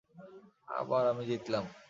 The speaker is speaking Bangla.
আবার আমি জিতলাম।